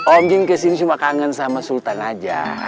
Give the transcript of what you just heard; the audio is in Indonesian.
om jin kesini cuma kangen sama sultan aja